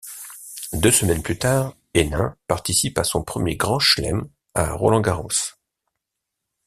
Deux semaines plus tard, Henin participe à son premier Grand Chelem, à Roland-Garros.